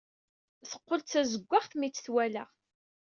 Teqqel d tazewwaɣt mi t-twala.